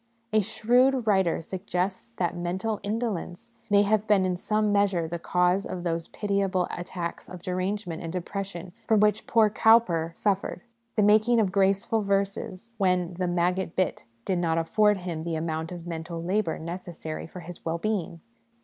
A shrewd writer suggests that mental indolence may have been in some measure the cause of those pitiable attacks of derangement and depression from which poor Cowper suffered ; the making of graceful verses when the 'maggot bit' did not afford him the amount of mental labour necessary for his well being.